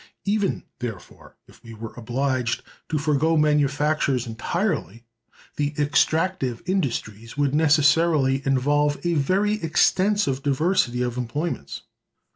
Even, therefore, if we were obliged to forego manufactures entirely, the "extractive industries" would necessarily involve a very extensive diversity of employments.